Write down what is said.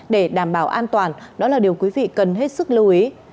để đảm bảo an toàn đó là điều quý vị cần hết sức lưu ý